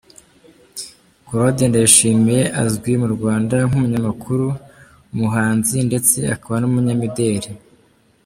Claude Ndayishimiye azwi mu Rwanda nk'umunyamakuru, umuhanzi ndetse akaba n'umunyamideri.